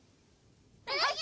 はい！